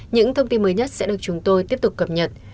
những thông tin mới nhất sẽ được chúng tôi tiếp tục cập nhật